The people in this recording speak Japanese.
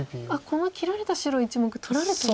この切られた白１目取られてる。